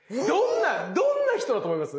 どんな人だと思います？